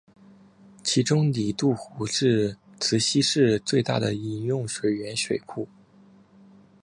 其中里杜湖是慈溪市最大的饮用水源水库。